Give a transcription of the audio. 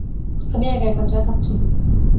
আমি একা একা চা খাচ্ছি।